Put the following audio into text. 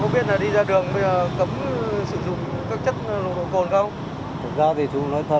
có biết đi ra đường bây giờ cấm sử dụng các chất nồng độ cồn không